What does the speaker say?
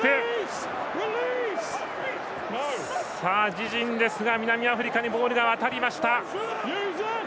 自陣ですが、南アフリカにボールが渡りました。